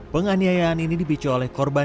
penganiayaan ini dipicu oleh korban